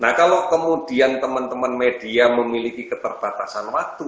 nah kalau kemudian teman teman media memiliki keterbatasan waktu